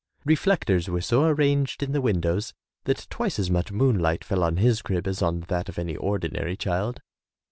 Reflectors were so arranged in the windows that twice as much moonlight fell on his crib as on that of any ordinary child.